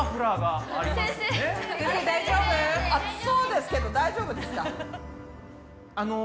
暑そうですけど大丈夫ですか？